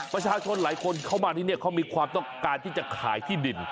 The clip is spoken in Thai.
ประชาชนหลายคนเข้ามาที่นี่เขามีความต้องการที่จะขายที่ดิน